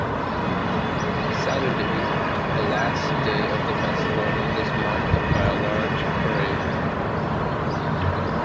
Saturday, the last day of the festival, is marked by a large parade.